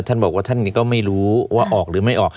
ท่านบอกว่าท่านก็ไม่รู้ว่าออกหรือไม่ออก